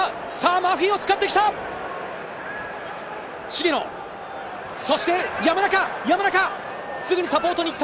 マフィを使ってきた。